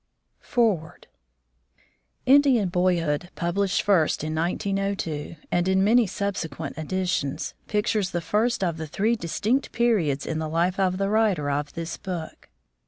FOREWORD "Indian Boyhood," published first in 1902 and in many subsequent editions, pic tures the first of three distinct periods in the life of the writer of this book.